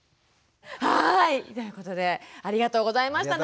はいということでありがとうございました。